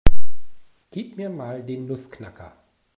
Gib mir mal den Nussknacker.